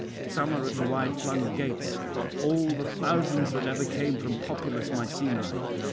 Some are at the wide flung gates, all the thousands that ever came from populous Mycenae.